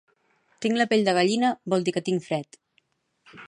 Tinc la pell de gallina vol dir que tinc fred